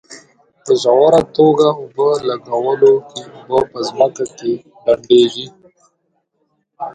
په ژوره توګه اوبه لګولو کې اوبه په ځمکه کې ډنډېږي.